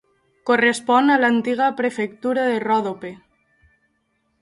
Correspon a l'antiga prefectura de Ròdope.